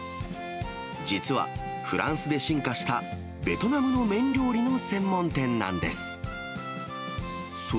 実はフランスで進化したベトナムの麺料理の専門店なんです。